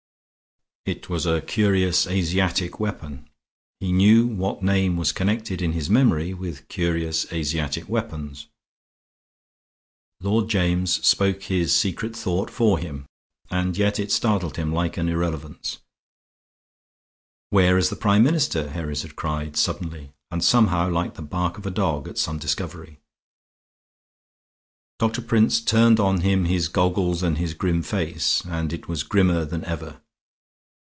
It was a curious Asiatic weapon. He knew what name was connected in his memory with curious Asiatic weapons. Lord James spoke his secret thought for him, and yet it startled him like an irrelevance. "Where is the Prime Minister?" Herries had cried, suddenly, and somehow like the bark of a dog at some discovery. Doctor Prince turned on him his goggles and his grim face; and it was grimmer than ever.